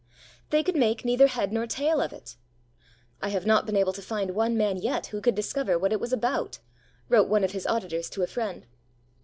They could make neither head nor tail of it! 'I have not been able to find one man yet who could discover what it was about,' wrote one of his auditors to a friend.